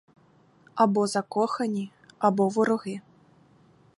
Або закохані, або вороги.